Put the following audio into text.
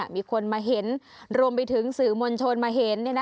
มีคนมาเห็นรวมไปถึงสื่อมวลชนมาเห็น